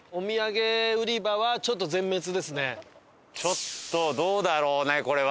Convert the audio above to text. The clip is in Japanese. ちょっとどうだろうねこれは。